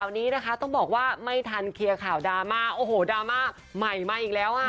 นี้นะคะต้องบอกว่าไม่ทันเคลียร์ข่าวดราม่าโอ้โหดราม่าใหม่มาอีกแล้วอ่ะ